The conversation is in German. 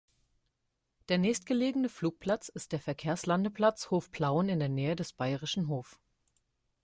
Der nächstgelegene Flugplatz ist der Verkehrslandeplatz Hof-Plauen in der Nähe des bayerischen Hof.